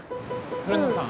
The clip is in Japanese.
古野さん